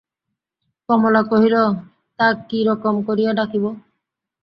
কমলা কহিল, তা, কিরকম করিয়া ডাকিব?